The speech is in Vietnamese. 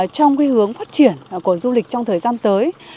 trong hướng phát triển của du lịch trong thời gian tới